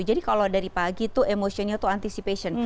jadi kalau dari pagi itu emotionnya itu anticipation